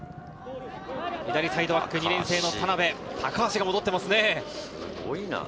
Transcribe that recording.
左サイドバックに、２年生の田辺、高足が戻っていますね。